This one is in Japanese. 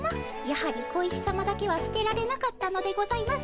やはり小石さまだけは捨てられなかったのでございますね。